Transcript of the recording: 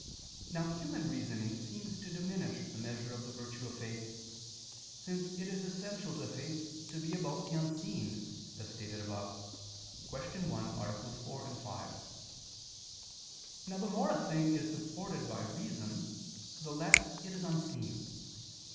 Now human reasoning seems to diminish the measure of the virtue of faith, since it is essential to faith to be about the unseen, as stated above (Q. 1, AA. 4, 5). Now the more a thing is supported by reasons the less is it unseen.